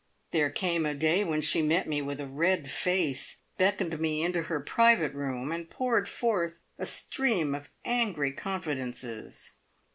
There came a day when she met me with a red face, beckoned me into her private room, and poured forth a stream of angry confidences.